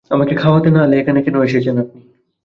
আমাকে খাওয়াতে না এলে, এখানে কেন এসেছেন আপনি?